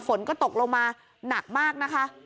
ฝนก็ตกลงมาหนักมากนะคะ